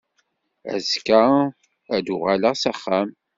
Azekka ad uɣaleɣ s axxam.